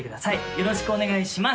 よろしくお願いします。